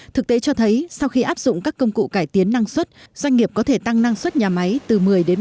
thực tế cho thấy sau khi áp dụng các công cụ cải tiến năng suất doanh nghiệp có thể tăng năng suất nhà máy từ một mươi một mươi